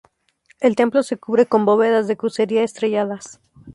El templo se cubre con bóvedas de crucería estrelladas.